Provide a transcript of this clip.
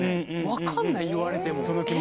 分かんない言われても。